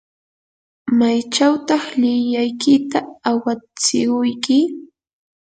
¿maychawtaq llikllaykita awatsirquyki?